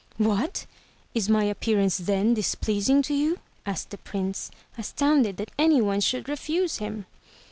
"What! Is my appearance then displeasing to you?" asked the Prince, astoimded that any one should refuse him.